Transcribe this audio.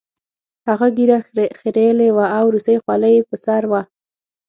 هغه ږیره خریلې وه او روسۍ خولۍ یې په سر وه